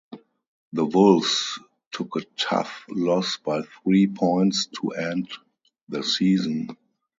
The Wolves took a tough loss by three points to end the season.